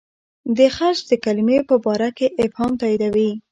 د خلج د کلمې په باره کې ابهام تاییدوي.